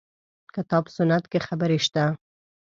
کتاب سنت کې خبرې شته.